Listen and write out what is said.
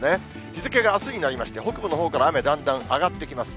日付があすになりまして、北部のほうから雨だんだん上がってきます。